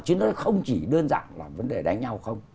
chứ nó không chỉ đơn giản là vấn đề đánh nhau không